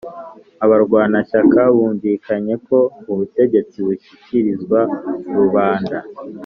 abarwanashyaka bumvikanye ko ubutegetsi bushyikirizwa rubanda,